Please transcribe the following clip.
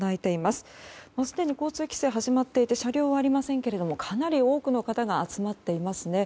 すでに交通規制は始まっていて車両はありませんけれどもかなり多くの方が集まっていますね。